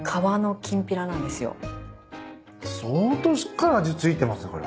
相当しっかり味付いてますよこれ。